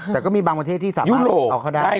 แต่ก็มีบางประเทศที่สามารถเอาเขาได้